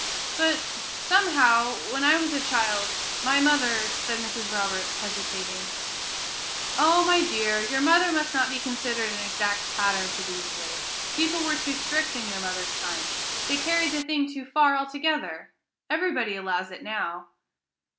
"But, somehow, when I was a child, my mother" said Mrs. Roberts, hesitating. "Oh, my dear, your mother must not be considered an exact pattern for these days. People were too strict in your mother's time; they carried the thing too far, altogether; everybody allows it now."